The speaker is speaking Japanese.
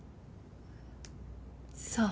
そう。